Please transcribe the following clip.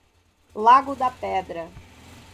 Lago da Pedra